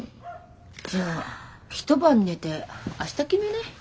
じゃあ一晩寝て明日決めない？